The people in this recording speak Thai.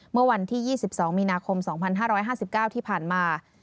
เมื่อวันที่๒๒มีนาคม๒๕๕๙ที่ผ่านมา